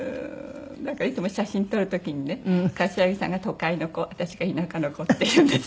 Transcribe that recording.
いつも写真撮る時にね柏木さんが都会の子私が田舎の子って言うんです。